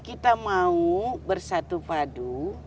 kita mau bersatu padu